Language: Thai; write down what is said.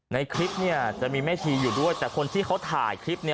ในคลิปเนี่ยจะมีแม่ชีอยู่ด้วยแต่คนที่เขาถ่ายคลิปเนี่ย